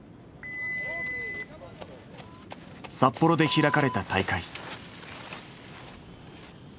札幌で開かれた大会。